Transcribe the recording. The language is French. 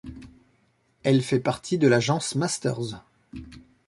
Elle fait partie de l'agence Masters.